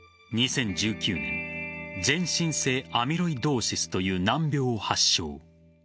２０１９年全身性アミロイドーシスという難病を発症。